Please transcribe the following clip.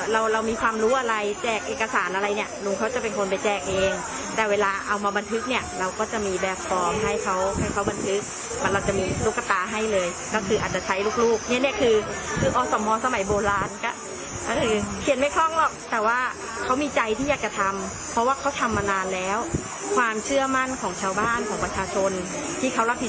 เราเรามีความรู้อะไรแจกเอกสารอะไรเนี่ยลุงเขาจะเป็นคนไปแจกเองแต่เวลาเอามาบันทึกเนี่ยเราก็จะมีแบบฟอร์มให้เขาให้เขาบันทึกเราจะมีตุ๊กตาให้เลยก็คืออาจจะใช้ลูกลูกเนี่ยคือคืออสมสมัยโบราณก็คือเขียนไม่คล่องหรอกแต่ว่าเขามีใจที่อยากจะทำเพราะว่าเขาทำมานานแล้วความเชื่อมั่นของชาวบ้านของประชาชนที่เขารับผิด